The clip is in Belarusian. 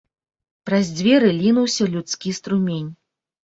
Праз дзверы лінуўся людскі струмень.